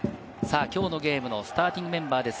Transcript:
きょうのゲームのスターティングメンバーです。